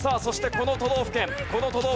この都道府県。